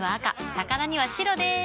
魚には白でーす。